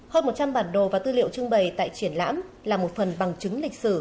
hơn một trăm linh bản đồ và tư liệu trưng bày tại triển lãm là một phần bằng chứng lịch sử